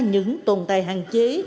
những tồn tại hạn chế